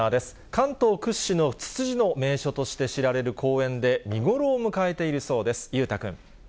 関東屈指のツツジの名所として知られる公園で見頃を迎えているそうです。